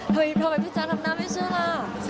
เธอมั้ยพี่จ้ะทำหน้าไม่เชื่อล่ะ